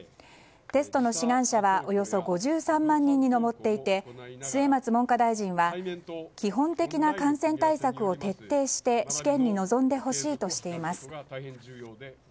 テストの志願者はおよそ５３万人に上っていて末松文科大臣は基本的な感染対策を徹底して試験に臨んでほしいとしています。